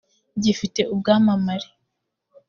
gifite ubwamamare .